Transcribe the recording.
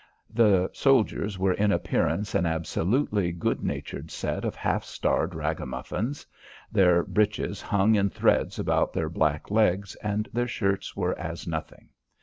The soldiers were in appearance an absolutely good natured set of half starved ragamuffins. Their breeches hung in threads about their black legs and their shirts were as nothing.